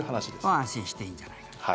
安心していいんじゃないかと。